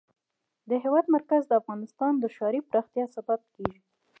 د هېواد مرکز د افغانستان د ښاري پراختیا سبب کېږي.